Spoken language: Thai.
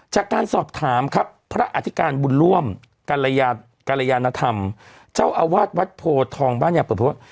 จากการสอบถามครับพระอธิการบุญร่วมกรยานธรรมเจ้าอาวาสวัดโพทองบ้านยาเปิดเพราะว่า